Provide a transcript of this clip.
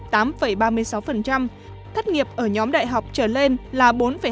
thất nghiệp ở nhóm đại học trở lên là bốn hai mươi hai